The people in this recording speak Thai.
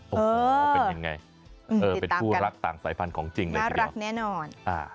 เป็นยังไงเป็นผู้รักต่างสายพันธุ์ของจริงเลยสิครับ